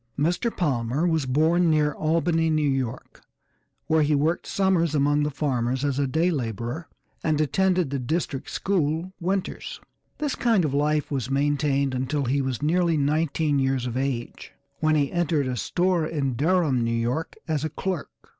Mr. Palmer was born near Albany, New York, where he worked summers among the farmers as a day laborer, and attended the district school winters. This kind of life was maintained until he was nearly nineteen years of age when he entered a store at Durham, New York, as a clerk.